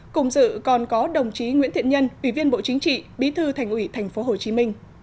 cùng dự còn có đồng chí nguyễn thiện nhân ủy viên bộ chính trị bí thư thành ủy tp hcm